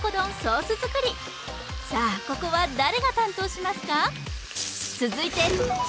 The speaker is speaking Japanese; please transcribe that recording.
ここは誰が担当しますか？